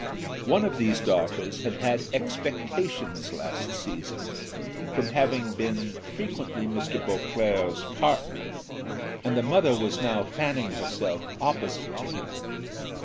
One of these daughters had had expectations last season from having been frequently Mr. Beauclerc's partner, and the mother was now fanning herself opposite to him.